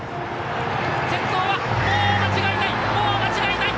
先頭はもう間違いない！